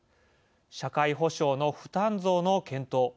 社会保障の負担増の検討。